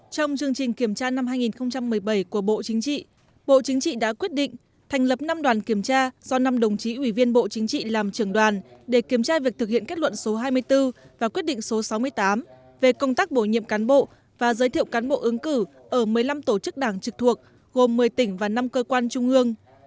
trong chương trình kiểm tra năm hai nghìn một mươi bảy của bộ chính trị bộ chính trị đã quyết định thành lập năm đoàn kiểm tra do năm đồng chí ủy viên bộ chính trị làm trưởng đoàn để kiểm tra việc thực hiện kết luận số hai mươi bốn và quyết định số sáu mươi tám về công tác bổ nhiệm cán bộ và giới thiệu cán bộ ứng cử ở một mươi năm tổ chức đảng trực thuộc gồm một mươi tỉnh và năm cơ quan trung ương